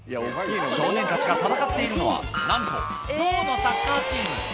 少年たちが戦っているのは、なんとゾウのサッカーチーム。